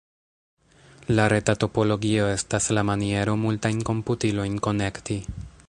La reta topologio estas la maniero, multajn komputilojn konekti.